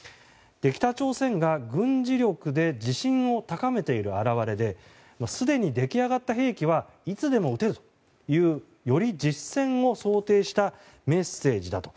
北朝鮮が軍事力で自信を高めている表れですでに出来上がった兵器はいつでも撃てるという、より実戦を想定したメッセージだと。